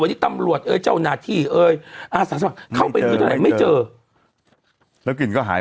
วันนี้ตำรวจเอ้ยเจ้านาธิเอ้ยเข้าไปไม่เจอแล้วกลิ่นก็หาย